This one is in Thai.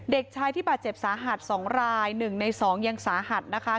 เด็กชายที่บาดเจ็บสาหัส๒ราย๑ใน๒ยังสาหัสนะคะ